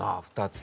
２つ。